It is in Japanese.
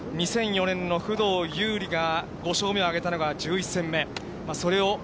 ２００４年のふどうゆうりが５勝目を挙げたのが１１戦目。